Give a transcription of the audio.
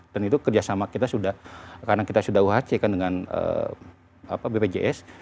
dan itu kerjasama kita sudah karena kita sudah uhc kan dengan bpjs